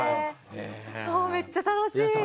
めっちゃ楽しい。